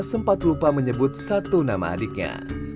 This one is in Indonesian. sempat lupa menyebut satu nama adiknya